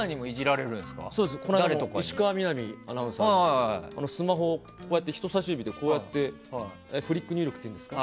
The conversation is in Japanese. この間も石川みなみアナウンサーにスマホを人差し指でフリック入力っていうんですか？